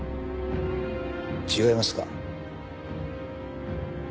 違いますか？